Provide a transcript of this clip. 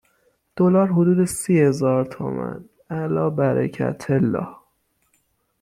دلار حدود سی هزار تومان الا برکت اله!